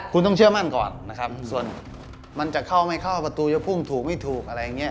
คุณต้องเชื่อมั่นก่อนส่วนมันจะเข้าไม่เข้าประตูจะพุ่งถูกไม่ถูก